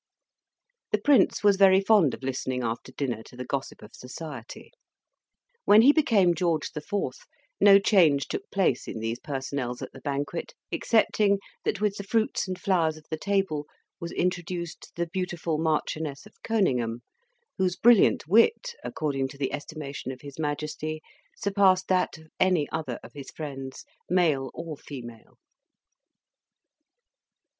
The Prince was very fond of listening after dinner to the gossip of society. When he became George the Fourth, no change took place in these personnels at the banquet, excepting that with the fruits and flowers of the table was introduced the beautiful Marchioness of Conyngham, whose brilliant wit, according to the estimation of his Majesty, surpassed that of any other of his friends, male or female.